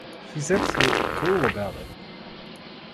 She's absolutely cool about it.